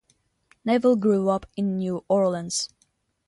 Neville grew up in New Orleans.